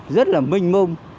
rất là minh mông